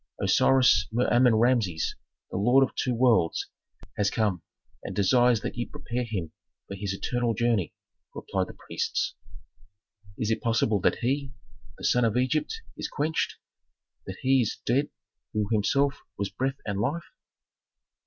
"Osiris Mer Amen Rameses, the lord of two worlds, has come and desires that ye prepare him for his eternal journey," replied the priests. "Is it possible that he, the sun of Egypt, is quenched? That he is dead who himself was breath and life?"